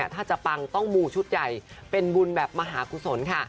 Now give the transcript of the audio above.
ถ้าจะปังต้องมูชุดใหญ่เป็นบุญแบบมหากุศลค่ะ